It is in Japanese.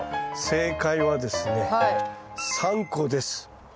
正解はですね３個！